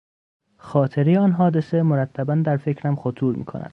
خاطرهی آن حادثه مرتبا در فکرم خطور میکند.